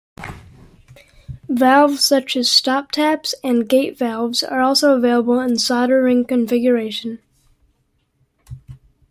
Valves such as stoptaps and gate valves are also available in solder ring configuration.